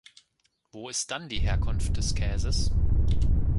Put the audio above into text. Wo ist dann die Herkunft des Käses?